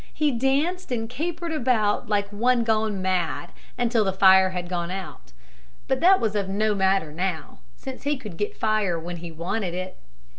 He danced and capered about like one gone mad until the fire had gone out. But that was of no matter now, since he could get fire when he wanted it.